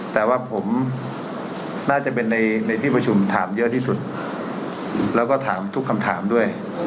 แต่ว่าผมน่าจะเป็นในที่ประชุมถามเยอะที่สุดแล้วก็ถามทุกคำถามด้วย